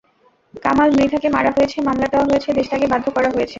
কামাল মৃধাকে মারা হয়েছে, মামলা দেওয়া হয়েছে, দেশত্যাগে বাধ্য করা হয়েছে।